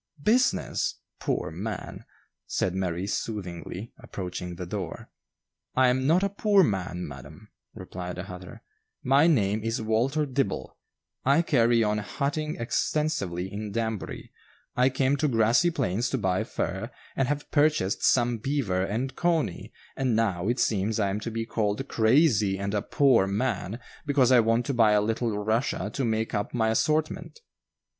"Business! poor man!" said Mary soothingly, approaching the door. "I am not a poor man, madam," replied the hatter. "My name is Walter Dibble; I carry on hatting extensively in Danbury; I came to Grassy Plains to buy fur, and have purchased some 'beaver' and 'cony,' and now it seems I am to be called 'crazy' and a 'poor man,' because I want to buy a little 'Russia' to make up my assortment."